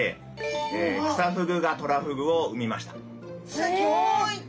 すギョい！